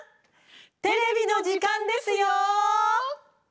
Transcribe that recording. テレビの時間ですよ！